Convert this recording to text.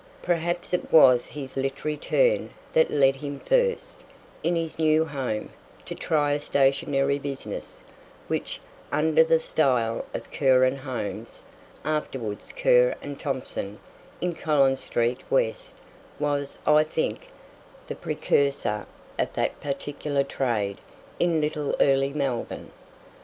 Perhaps it was his literary turn that led him first, in his new home, to try a stationery business, which, under the style of Kerr and Holmes, afterwards Kerr and Thompson, in Collins street west, was, I think, the precursor of that particular trade in little early Melbourne.